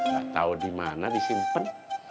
gak tau dimana disimpan